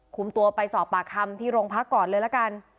คุมตัวไปสอบปากคำที่โรงพักก่อนเลยละกัน